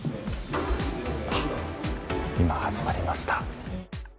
今、始まりました。